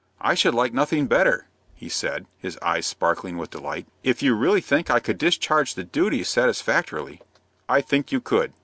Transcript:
"I should like nothing better," he said, his eyes sparkling with delight, "if you really think I could discharge the duties satisfactorily." "I think you could.